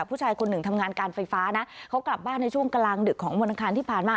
ผู้ชายคนหนึ่งทำงานการไฟฟ้านะเขากลับบ้านในช่วงกลางดึกของวันอังคารที่ผ่านมา